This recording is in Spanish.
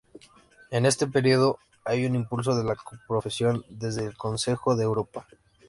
En este período hay un impulso de la profesión desde el Consejo de Europa.